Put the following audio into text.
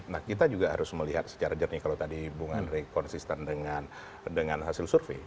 nah kita juga harus melihat secara jernih kalau tadi bung andre konsisten dengan hasil survei